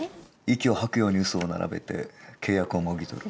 息を吐くように嘘を並べて契約をもぎ取る。